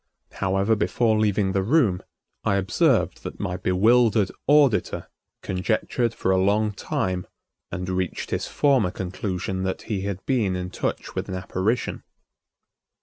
However, before leaving the room, I observed that my bewildered auditor conjectured for a long time and reached his former conclusion that he had been in touch with an apparition.